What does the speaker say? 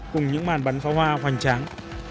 cùng những màn bắn pháo hoa hoành tráng